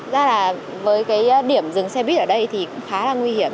rất ra là với cái điểm dừng xe buýt ở đây thì cũng khá là nguy hiểm